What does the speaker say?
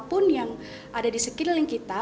apapun yang ada di sekeliling kita